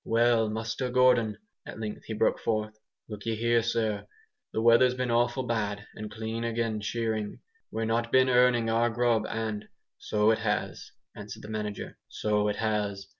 "Well, Muster Gordon," at length he broke forth, "look'ee here, sir. The weather's been awful bad, and clean agin shearing. We've not been earning our grub, and " "So it has," answered the manager, "so it has.